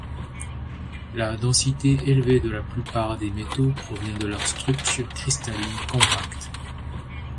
La densité élevée de la plupart des métaux provient de leur structure cristalline compacte.